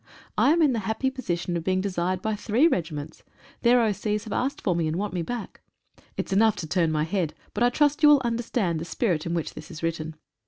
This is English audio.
I am in the happy position of being desired by three regiments — their O.C.'s have asked for me, and want me back. Enough to turn my head, but I trust you will understand the spirit in which this is written.